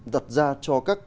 đặt ra cho các